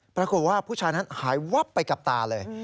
ปรากฏว่าผู้ชายนั้นหายวับไปกับตาเลย